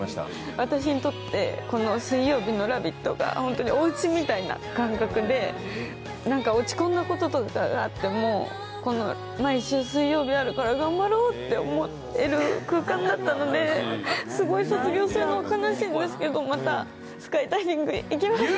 私にとってこの水曜日の「ラヴィット！」がおうちみたいな感覚で、落ち込んだこととかがあっても毎週水曜日あるから頑張ろうって思ってる空間だったのですごい卒業するのは悲しいんですけどまたスカイダイビングに行きます。